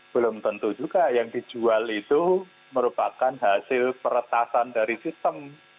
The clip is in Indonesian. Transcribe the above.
belum tentu juga yang dijual itu merupakan hasil peretasan dari sistem